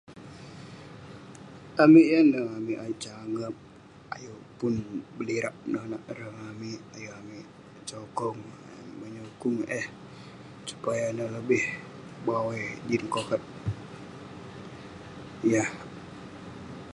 Amik yan neh amik ayuk sangep ayuk pun belirak nonak ireh ngan amik ayuk amik sokong, ayuk amik nyukung eh. Supaya neh lobih bawai jin kokat yah-